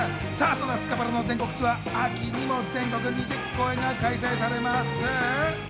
スカパラの全国ツアーは秋にも全国２０公演が開催されます。